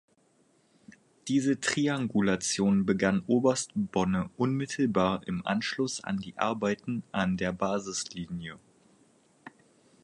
Diese Triangulation begann Oberst Bonne unmittelbar im Anschluss an die Arbeiten an der Basislinie.